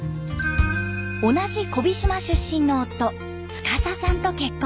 同じ小飛島出身の夫司さんと結婚。